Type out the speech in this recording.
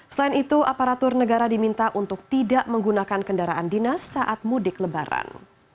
selain itu aparatur negara diminta untuk tidak menggunakan kendaraan dinas saat mudik lebaran